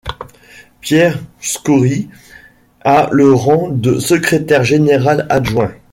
Pierre Schori a le rang de secrétaire général adjoint.